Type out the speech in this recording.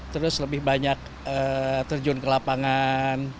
terus lebih banyak terjun ke lapangan